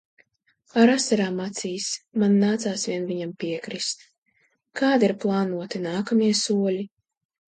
Ar asarām acīs man nācās vien viņam piekrist. Kādi ir plānoti nākamie soļi?